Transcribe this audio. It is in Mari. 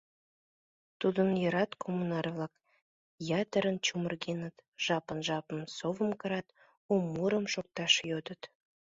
Тудын йырат коммунар-влак ятырын чумыргеныт, жапын-жапын совым кырат, у мурым шокташ йодыт.